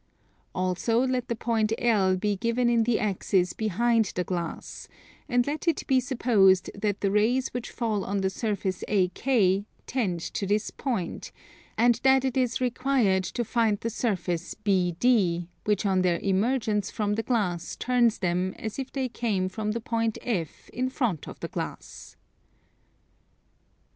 Also let the point L be given in the axis behind the glass; and let it be supposed that the rays which fall on the surface AK tend to this point, and that it is required to find the surface BD, which on their emergence from the glass turns them as if they came from the point F in front of the glass.